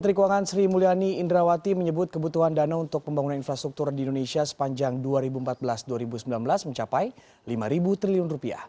menteri keuangan sri mulyani indrawati menyebut kebutuhan dana untuk pembangunan infrastruktur di indonesia sepanjang dua ribu empat belas dua ribu sembilan belas mencapai rp lima triliun